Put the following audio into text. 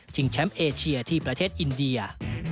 แชมป์เอเชียที่ประเทศอินเดีย